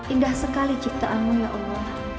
indah sekali ciptaanmu ya allah